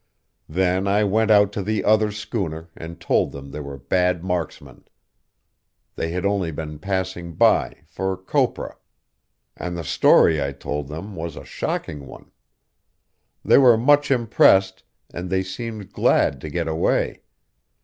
"Then I went out to the other schooner and told them they were bad marksmen. They had only been passing by, for copra; and the story I told them was a shocking one. They were much impressed, and they seemed glad to get away.